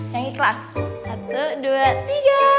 yang ikhlas satu dua tiga